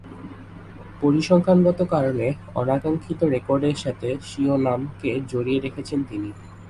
পরিসংখ্যানগত কারণে অনাকাঙ্ক্ষিত রেকর্ডের সাথে স্বীয় নামকে জড়িয়ে রেখেছেন তিনি।